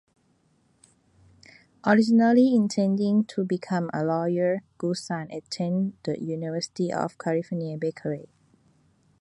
Originally intending to become a lawyer, Goodson attended the University of California, Berkeley.